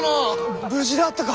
無事であったか！